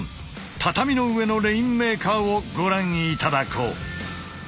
畳の上の「レインメーカー」をご覧頂こう。